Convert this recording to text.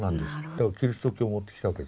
だからキリスト教を持ってきたわけです。